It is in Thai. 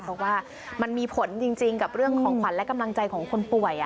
เพราะว่ามันมีผลจริงกับเรื่องของขวัญและกำลังใจของคนป่วย